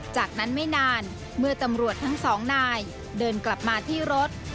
จากนั้นไม่นานเมื่อตำรวจทั้งสองนายเดินกลับมาที่รถ